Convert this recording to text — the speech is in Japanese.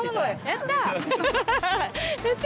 やった！